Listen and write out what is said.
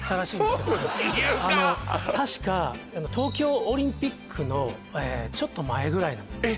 あの確か東京オリンピックのちょっと前ぐらいえっ